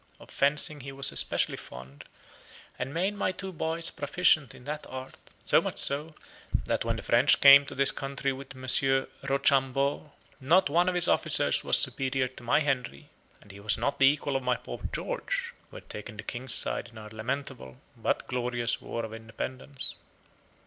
Of fencing he was especially fond, and made my two boys proficient in that art; so much so, that when the French came to this country with Monsieur Rochambeau, not one of his officers was superior to my Henry, and he was not the equal of my poor George, who had taken the King's side in our lamentable but glorious war of independence.